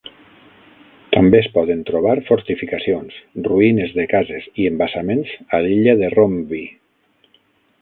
També es poden trobar fortificacions, ruïnes de cases i embassaments a l'illa de Romvi.